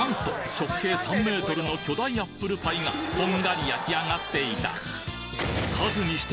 直径３ｍの巨大アップルパイがこんがり焼きあがっていた数にして